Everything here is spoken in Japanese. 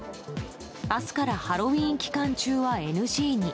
明日からハロウィーン期間中はＮＧに。